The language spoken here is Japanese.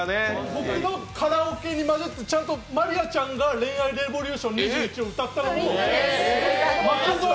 僕のカラオケに混じって、ちゃんと真莉愛ちゃんが「恋愛レボリューション」を歌ったのに。